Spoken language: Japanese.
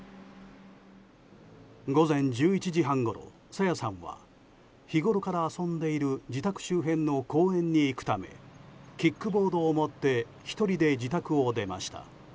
午前１１時半ごろ、朝芽さんは日ごろから遊んでいる自宅周辺の公園に行くためキックボードを持って１人で自宅を出ました。